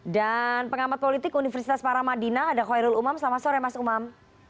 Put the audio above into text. dan pengamat politik universitas paramadina ada khairul umam selamat sore mas umam